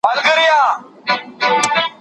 پر حاکمې طبقې